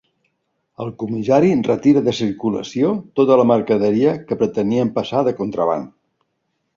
El comissari retira de circulació tota la mercaderia que pretenien passar de contraban.